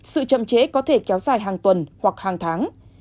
sự chậm chế có thể kéo dài hàng tuần hoặc hàng tháng